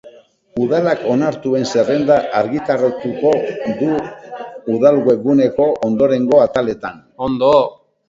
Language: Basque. Udalak onartuen zerrenda argitaratuko du udal-webguneko ondorengo ataletan: